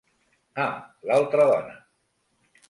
Ah, l'altra dona!